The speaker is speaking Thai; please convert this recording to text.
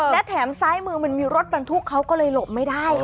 และแถมซ้ายมือมันมีรถบรรทุกเขาก็เลยหลบไม่ได้